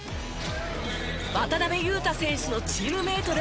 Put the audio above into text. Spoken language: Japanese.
渡邊雄太選手のチームメートで。